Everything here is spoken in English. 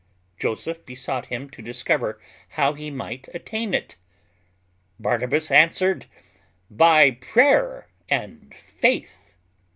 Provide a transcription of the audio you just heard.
Joseph besought him to discover how he might attain it. Barnabas answered, "By prayer and faith."